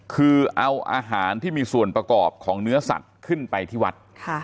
คือเอาอาหารที่มีส่วนประกอบของเนื้อสัตว์ขึ้นไปที่วัด